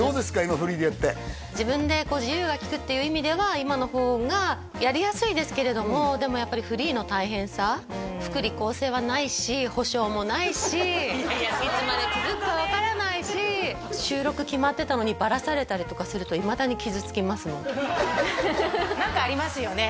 今フリーでやって自分で自由が利くって意味では今の方がやりやすいですけれどもでもやっぱりフリーの大変さいやいやそれ言われるとねいつまで続くか分からないし収録決まってたのにバラされたりとかするといまだに傷つきますもん何かありますよね